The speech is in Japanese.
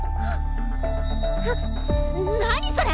なっ何それ！？